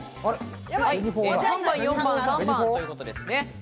３番４番３番ということですね。